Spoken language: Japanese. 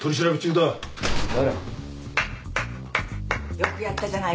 よくやったじゃない？